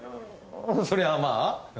そりゃあまあ。